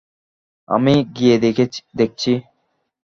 আমি গিয়ে দেখছি।